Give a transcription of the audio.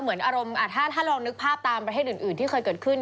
เหมือนอารมณ์ถ้าลองนึกภาพตามประเทศอื่นที่เคยเกิดขึ้น